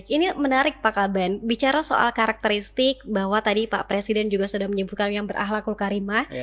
ini menarik pak kaban bicara soal karakteristik bahwa tadi pak presiden juga sudah menyebutkan yang berahlakul karimah